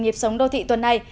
nhịp sống đô thị tuần này